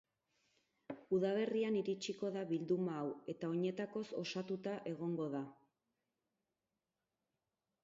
Udaberrian iritsiko da bilduma hau eta oinetakoz osatuta egongo da.